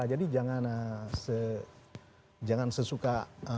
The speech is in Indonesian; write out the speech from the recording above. jadi jangan sesuka